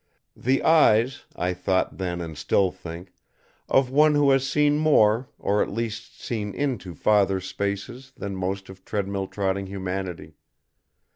The eyes, I thought then and still think, of one who has seen more, or at least seen into farther spaces, than most of treadmill trotting humanity.